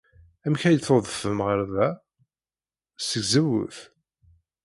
Amek ay d-tudfem ɣer da? Seg tzewwut.